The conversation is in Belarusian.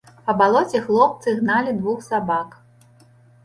Па балоце хлопцы гналі двух сабак.